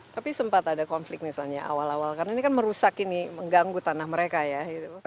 tapi sempat ada konflik misalnya awal awal karena ini kan merusak ini mengganggu tanah mereka ya